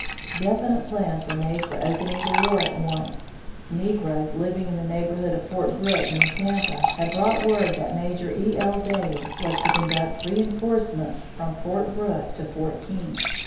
Definite plans were made for opening the war at once. Negroes living in the neighborhood of Fort Brooke near Tampa had brought word that Major E. L. Dade was to conduct reënforcements from Fort Brooke to Fort King.